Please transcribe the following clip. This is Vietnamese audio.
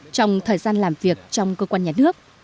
trong thời gian làm việc trong cơ quan nhà nước